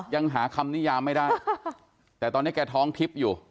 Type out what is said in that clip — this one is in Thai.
ยังหาคำนิยามไม่ได้แต่ตอนนี้แกท้องทิพย์อยู่